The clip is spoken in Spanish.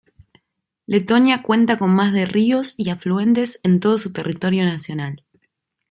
Letonia cuenta con más de ríos y afluentes en todo su territorio nacional.